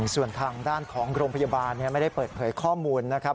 ส่วนทางด้านของโรงพยาบาลไม่ได้เปิดเผยข้อมูลนะครับ